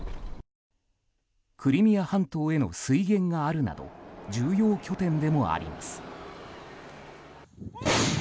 クリミア半島への水源があるなど重要拠点でもあります。